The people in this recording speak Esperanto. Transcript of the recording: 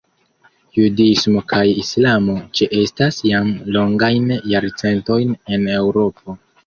Judismo kaj islamo ĉeestas jam longajn jarcentojn en Eŭropo.